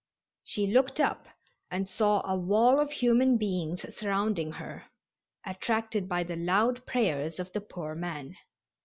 She looked up and saw a wall of human beings surrounding her, attracted by the loud prayers of the poor man.